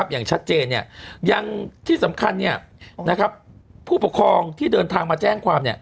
อย่างชัดเจนยังที่สำคัญผู้ปกครองที่แจ้งความ